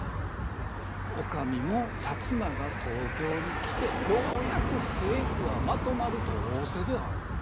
お上も摩が東京に来てようやく政府はまとまると仰せである。